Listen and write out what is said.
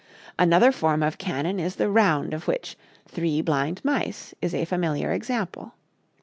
Another form of canon is the round of which "Three Blind Mice" is a familiar example.